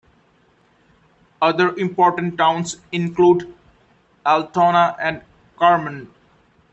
Other important towns include Altona, and Carman.